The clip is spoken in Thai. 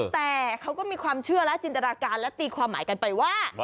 แต่เขาก็มีความเชื่อและจินตนาการและตีความหมายกันไปว่า